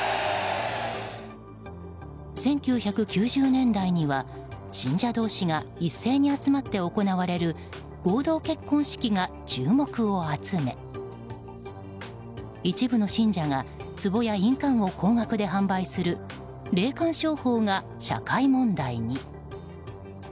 １９９０年代には信者同士が一斉に集まって行われる合同結婚式が注目を集め一部の信者がつぼや印鑑を高額で販売する霊感商法が社会問題に。